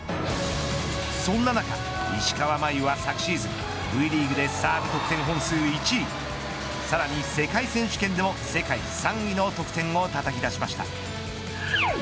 そんな中、石川真佑は昨シーズンＶリーグでサーブの本数１位さらに世界選手権でも世界３位の得点をたたき出しました。